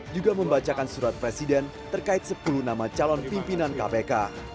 juga membacakan surat presiden terkait sepuluh nama calon pimpinan kpk